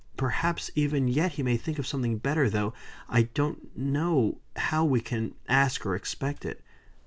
Perhaps even yet he may think of something better, though I don't know how we can ask or expect it."